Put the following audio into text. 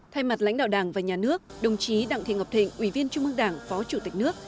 thay mặt lãnh đạo đảng và nhà nước đồng chí đặng thị ngọc thịnh ủy viên trung ương đảng phó chủ tịch nước